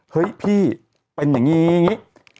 เฮ้ยพี่เป็นอย่างนี้อย่างนี้